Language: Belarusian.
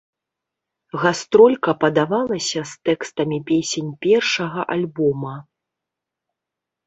Гастролька падавалася з тэкстамі песень першага альбома.